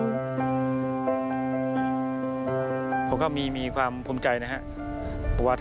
พวกของของมีความพร้อมใจนะครับ